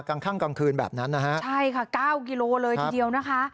ข้างกลางคืนแบบนั้นนะฮะใช่ค่ะเก้ากิโลเลยทีเดียวนะคะ